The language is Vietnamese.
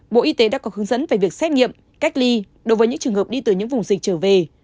bộ y tế đã có hướng dẫn về việc xét nghiệm cách ly đối với những trường hợp đi từ những vùng dịch trở về